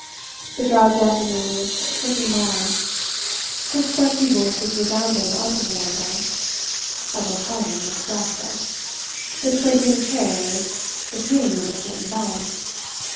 The drowsy afternoon was slipping by. Footsteps and voices resounded on the veranda I beg pardon, the piazza; the scraping of chairs, the ping of a smitten bell.